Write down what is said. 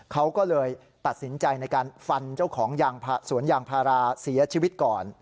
เขาก็เลยตัดสินใจในการฟันเจ้าของสวนยางพาราเสียชีวิตก่อน